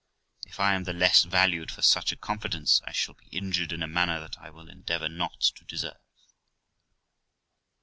If I am the less valued for such a confidence, I shall be injured in a manner that I will endeavour not to deserve.'